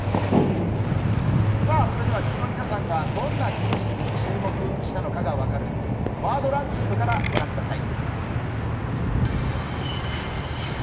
昨日、皆さんがどんなニュースに注目したのかが分かるワードランキングから御覧ください。